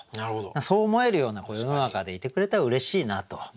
そう思えるような世の中でいてくれたらうれしいなと。